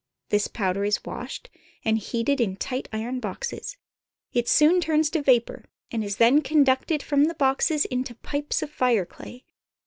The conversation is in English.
This powder is washed, and heated in tight iron boxes. It soon turns to vapor, and is then conducted from the boxes into pipes of fire clay.